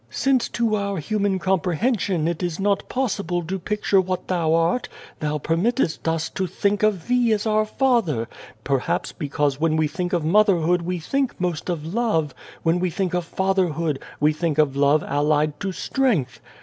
" Since to our human comprehension it is not possible to picture what Thou art, Thou permittest us to think of Thee as our Father, perhaps because when we think of motherhood we think most of love, when we think of father hood, we think of love allied to strength.